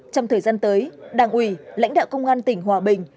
trong thời gian tới đảng ủy lãnh đạo công an tỉnh hòa bình